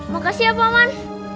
makasih ya pak man